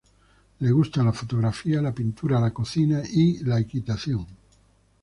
Le gusta la fotografía, la pintura, la cocina y la equitación.